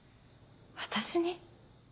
私に？